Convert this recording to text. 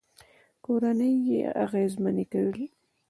کورنۍ يې اغېزمنې کړې